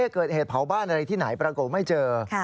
เกิดเหตุเผาบ้านอะไรที่ไหนปรากฏไม่เจอ